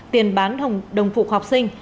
tiền bán đồng phục học sinh